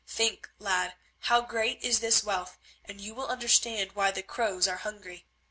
Think, lad, how great is this wealth, and you will understand why the crows are hungry.